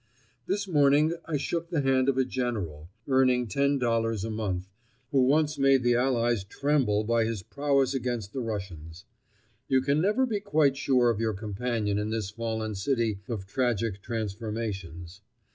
This morning I shook the hand of a General, earning ten dollars a month, who once made the Allies tremble by his prowess against the Russians. You can never be quite sure of your companion in this fallen city of tragic transformations.